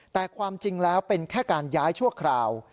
แต่ความจริงแล้วเป็นแค่การย้ายชั่วคราว